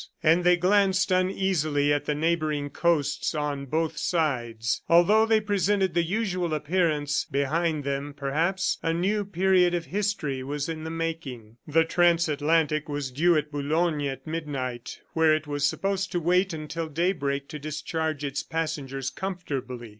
and they glanced uneasily at the neighboring coasts on both sides. Although they presented the usual appearance, behind them, perhaps, a new period of history was in the making. The transatlantic was due at Boulogne at midnight where it was supposed to wait until daybreak to discharge its passengers comfortably.